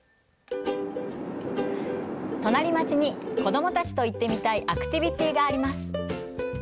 隣町に、子供たちと行ってみたいアクティビティがあります。